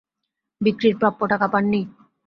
বিক্রির প্রাপ্য টাকা পাননি।